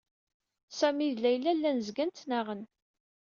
Sami d Layla llan zgan ttnaɣen.